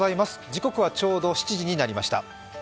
時刻はちょうど７時になりました。